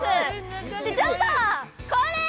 ちょっと、これー！